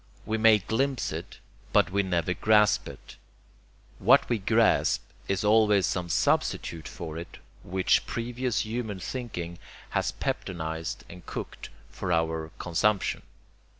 We may glimpse it, but we never grasp it; what we grasp is always some substitute for it which previous human thinking has peptonized and cooked for our consumption.